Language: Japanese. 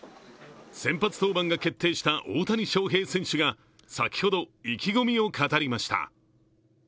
先発登板が決定した大谷翔平選手が、先ほど、意気込みを語りました。